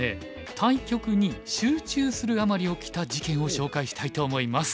対局に集中するあまり起きた事件を紹介したいと思います。